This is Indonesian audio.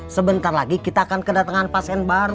sebentar lagi kita akan kedatangan pasien baru